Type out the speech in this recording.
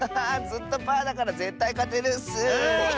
ずっとパーだからぜったいかてるッス！